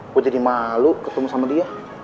gue jadi malu ketemu sama dia